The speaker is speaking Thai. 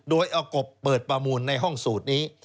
โดยเอากบเปิดประมูลในห้องสูตรนี้